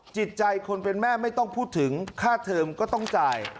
จิตใจคนเป็นแม่ไม่ต้องพูดถึงค่าเทิมก็ต้องจ่าย